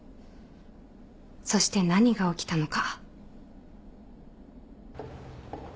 そして何が起きたのか。